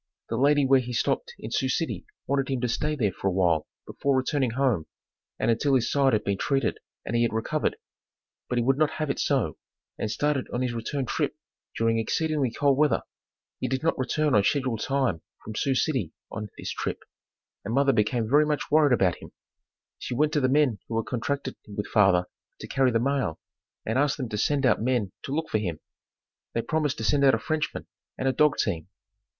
The lady where he stopped in Sioux City wanted him to stay there for a while before returning home, and until his side had been treated and he had recovered, but he would not have it so, and started on his return trip during exceedingly cold weather. He did not return on schedule time from Sioux City on this trip, and mother became very much worried about him. She went to the men who had contracted with father to carry the mail and asked them to send out men to look for him. They promised to send out a Frenchman, and a dog team.